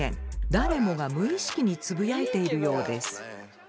誰もが無意識につぶやいているようです。